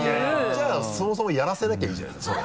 じゃあそもそもやらせなきゃいいじゃないその。